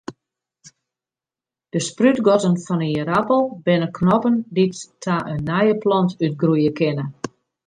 De sprútgatten fan in ierappel binne knoppen dy't ta in nije plant útgroeie kinne.